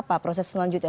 apa proses selanjutnya